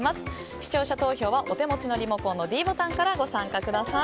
視聴者投票はお手持ちのリモコンのｄボタンからご参加ください。